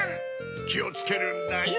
きをつけるんだよ。